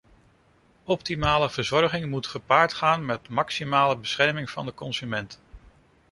Optimale verzorging moet gepaard gaan met maximale bescherming van de consument.